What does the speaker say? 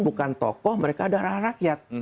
bukan tokoh mereka adalah rakyat